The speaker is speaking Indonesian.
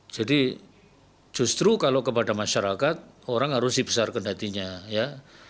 jadi justru kalau kepada masyarakat orang harus dibesarkan hatinya ya